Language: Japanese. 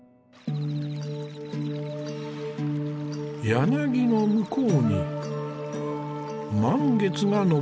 柳の向こうに満月が昇っている。